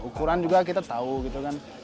ukuran juga kita tahu gitu kan